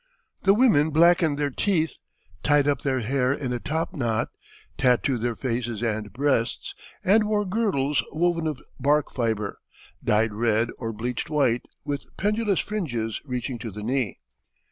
The women blackened their teeth, tied up their hair in a top knot, tattooed their faces and breasts, and wore girdles woven of bark fibre, dyed red or bleached white, with pendulous fringes reaching to the knee.